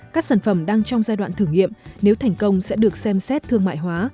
các sản phẩm đang trong giai đoạn thử nghiệm nếu thành công sẽ được xem xét thương mại hóa